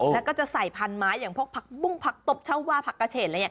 แล้วก็จะใส่พันไม้อย่างพวกผักบุ้งผักตบเช่าว่าผักกระเฉน